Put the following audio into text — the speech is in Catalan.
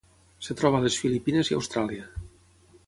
Es troba a les Filipines i Austràlia.